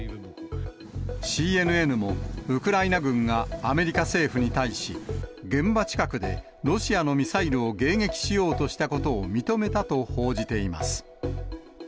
ＣＮＮも、ウクライナ軍がアメリカ政府に対し、現場近くでロシアのミサイルを迎撃しようとしたことを認めたと報じています。